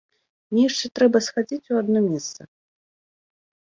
Мне яшчэ трэба схадзіць у адно месца.